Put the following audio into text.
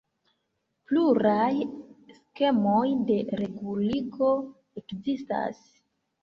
Pluraj skemoj de reguligo ekzistas.